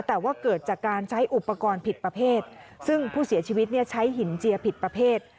แต่ว่าเกิดจากการใช้อุปกรณ์ผิดประเภทซึ่งผู้เสียชีวิตใช้หินเจียผิดประเภท